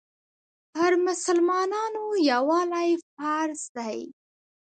پر مسلمانانو یووالی فرض دی.